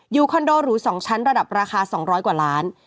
คอนโดหรู๒ชั้นระดับราคา๒๐๐กว่าล้าน